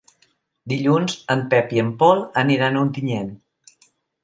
Dilluns en Pep i en Pol aniran a Ontinyent.